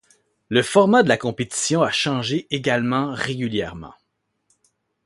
Le format de la compétition a changé également régulièrement.